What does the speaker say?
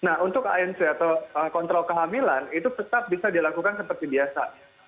nah untuk anc atau kontrol kehamilan itu tetap bisa dilakukan seperti biasa